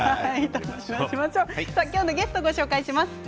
今日のゲストを紹介します。